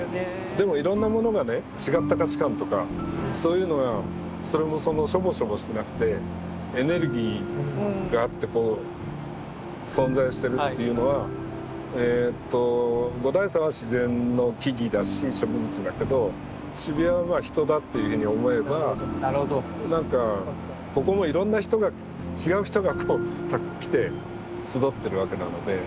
でもいろんなものがね違った価値観とかそういうのがそれもしょぼしょぼしてなくてエネルギーがあってこう存在してるっていうのは五台山は自然の木々だし植物だけど渋谷は人だっていうふうに思えばなんかここもいろんな人が違う人が来て集ってるわけなので結構似てるかなと。